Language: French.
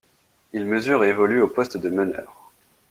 Il mesure et évolue au poste de meneur.